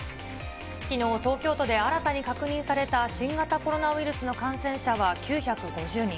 きのう、東京都で新たに確認された新型コロナウイルスの感染者は９５０人。